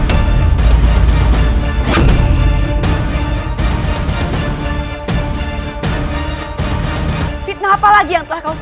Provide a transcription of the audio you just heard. aku menunjukkan kurangnya opahian santai untuk kamu